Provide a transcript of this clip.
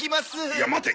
いや待て。